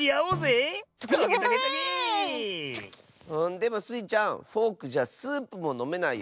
でもスイちゃんフォークじゃスープものめないよ。